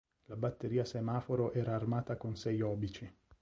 La batteria Semaforo era armata con sei obici.